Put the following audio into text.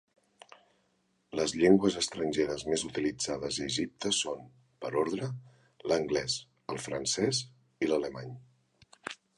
Les llengües estrangeres més utilitzades a Egipte són, per ordre, l'anglès, el francès i l'alemany.